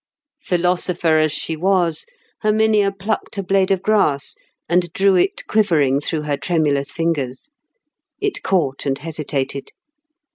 Philosopher as she was, Herminia plucked a blade of grass, and drew it quivering through her tremulous fingers. It caught and hesitated.